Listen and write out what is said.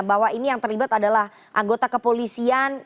bahwa ini yang terlibat adalah anggota kepolisian